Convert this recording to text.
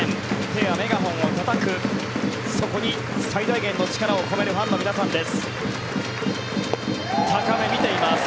手やメガホンをたたくそこに最大限の力を込めるファンの皆さんです。